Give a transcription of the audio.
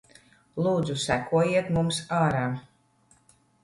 Lūdzu sekojiet mums ārā.